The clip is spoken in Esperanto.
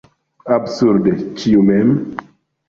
Absurde, ĉu ne?